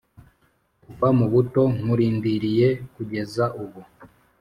Kuva mubuto nkurindiriye kugeza ubu